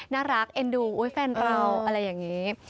น่ารักเอ็นดูอุ๊ยแฟนเราอะไรอย่างนี้